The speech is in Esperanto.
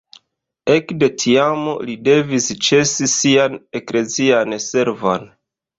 Ekde tiam li devis ĉesi sian eklezian servon.